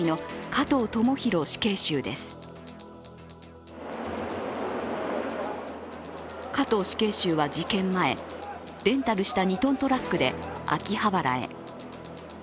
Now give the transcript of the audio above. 加藤死刑囚は事件前、レンタルした２ｔトラックで秋葉原へ。